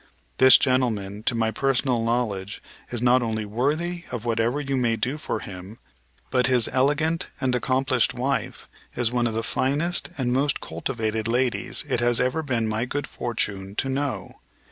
This gentleman, to my personal knowledge, is not only worthy of whatever you may do for him, but his elegant and accomplished wife is one of the finest and most cultivated ladies it has ever been my good fortune to know.